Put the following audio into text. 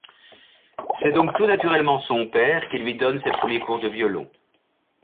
C'est donc tout naturellement son père qui lui donne ses premiers cours de violon.